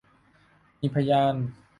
มีพยาน